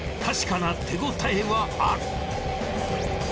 確かな手ごたえはある。